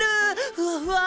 ふわふわ！